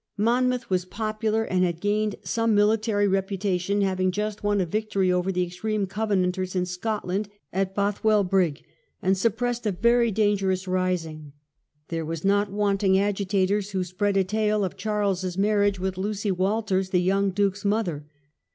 Monmouth was popular, and had gained some military reputation, having just won a victory over the extreme Covenanters in Scotland at Both well Brig, and suppressed a very dangerous rising. There were not wanting agitators who spread a tale of Charles's marriage with Lucy Walters, the young Duke's mother.